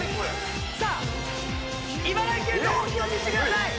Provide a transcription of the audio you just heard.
さあ茨城県の本気を見せてください！